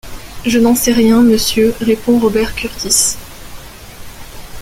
Je n’en sais rien, monsieur, répond Robert Kurtis.